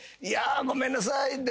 「いやごめんなさい。